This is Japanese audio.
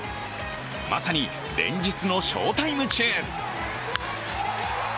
まさに連日の翔タイム中。